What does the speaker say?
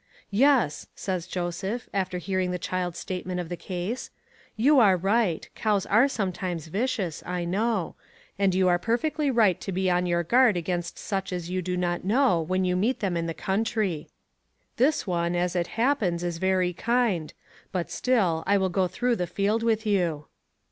"Yes," says Joseph, after hearing the child's statement of the case, "you are right. Cows are sometimes vicious, I know; and you are perfectly right to be on your guard against such as you do not know when you meet them in the country. This one, as it happens, is very kind; but still, I will go through the field with you."